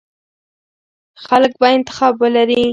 خلک به انتخاب ولري.